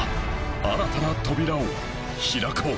新たな扉を開こう